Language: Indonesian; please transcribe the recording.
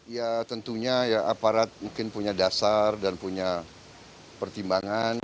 ya tentunya ya aparat mungkin punya dasar dan punya pertimbangan